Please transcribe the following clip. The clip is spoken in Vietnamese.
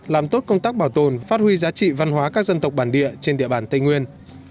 làm tốt công tác bảo tồn phát huy giá trị văn hóa các dân tộc bản địa trên địa bàn tây nguyên